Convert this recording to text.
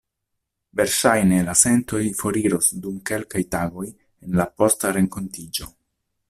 Verŝajne la sentoj foriros dum kelkaj tagoj en la posta renkontiĝo.